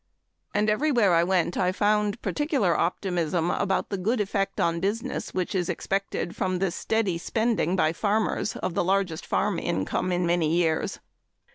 And everywhere I went I found particular optimism about the good effect on business which is expected from the steady spending by farmers of the largest farm income in many years.